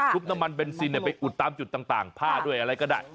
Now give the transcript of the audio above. น้ำมันเบนซินไปอุดตามจุดต่างผ้าด้วยอะไรก็ได้